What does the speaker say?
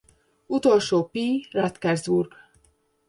Utolsó p. Radkersburg.